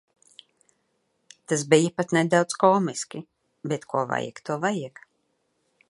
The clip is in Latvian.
Tas bija pat nedaudz komiski, bet ko vajag, to vajag.